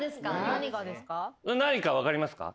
何か分かりますか？